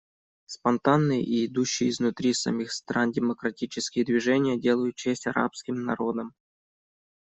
Спонтанные и идущие изнутри самих стран демократические движения делают честь арабским народам.